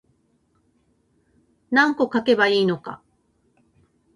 何個書けばいいのか